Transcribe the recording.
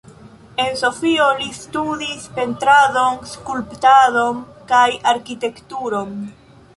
En Sofio li studis Pentradon, Skulptadon kaj Arkitekturon.